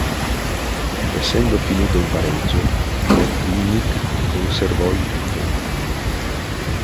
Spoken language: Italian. Essendo finito in pareggio, Botvinnik conservò il titolo.